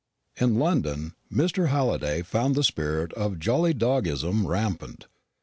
In London Mr. Halliday found the spirit of jolly dog ism rampant.